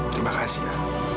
terima kasih ya